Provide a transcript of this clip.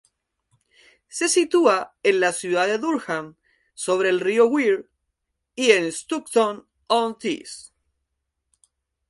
Se sitúa en la ciudad de Durham, sobre el Río Wear, y en Stockton-on-Tees.